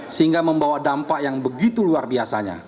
sehingga membawa dampak yang begitu luar biasanya